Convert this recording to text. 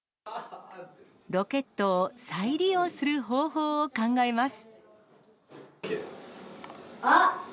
ロケットを再利用する方法をあっ。